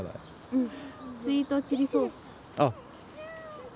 うん。